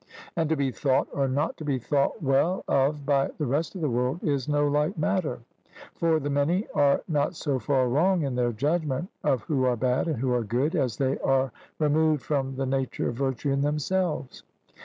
And to be thought or not to be thought well of by the rest of the world is no light matter; for the many are not so far wrong in their judgment of who are bad and who are good, as they are removed from the nature of virtue in themselves.